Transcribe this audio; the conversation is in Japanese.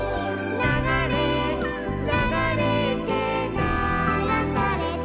「ながれてながされて」